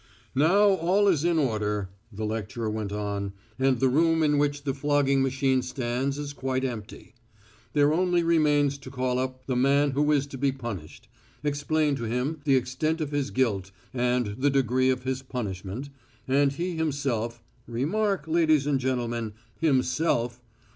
"Now all is in order," the lecturer went on, "and the room in which the flogging machine stands is quite empty. There only remains to call up the man who is to be punished, explain to him the extent of his guilt and the degree of his punishment, and he himself remark, ladies and gentlemen, himself!